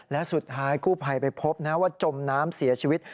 และสุดท้ายกู้ภัยไปพบนะว่าจมน้ำเสียชีวิต